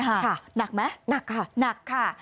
หนักไหมหนักค่ะหนักค่ะ